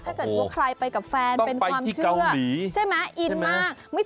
ถ้าถึงว่าใครไปกับแฟนเป็นความเชื่อ